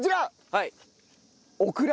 はい。